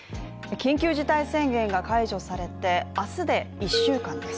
緊急事態宣言が解除されて、明日で１週間です